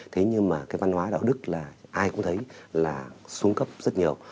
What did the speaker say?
thế nhưng mà cái văn hóa đạo đức là ai cũng thấy là xuống cấp rất nhiều